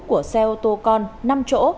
của xe ô tô con năm chỗ